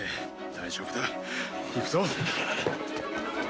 大丈夫だ行くぞ。